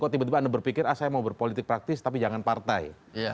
anda berpikir saya mau berpolitik praktis tapi jangan partai